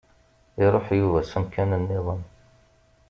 Iruḥ Yuba s amkan-nniḍen.